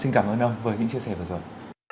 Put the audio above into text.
xin cảm ơn ông với những chia sẻ vừa rồi